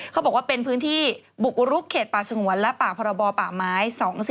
เขาบอกว่าเป็นพื้นที่บุกรุกเขตป่าสงวนและป่าพรบป่าไม้๒๔